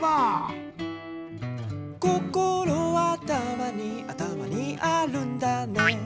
「こころはあたまにあたまにあるんだね」